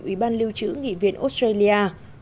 ủy ban lưu trữ nghị viện australia